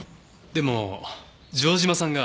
でも城島さんが。